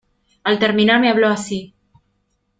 al terminar, me habló así: